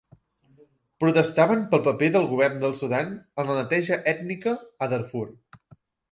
Protestaven pel paper del govern del Sudan en la neteja ètnica a Darfur.